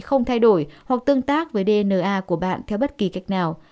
không thay đổi hoặc tương tác với dna của bạn theo bất kỳ cách nào